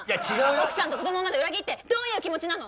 奥さんと子どもまで裏切ってどういう気持ちなの！？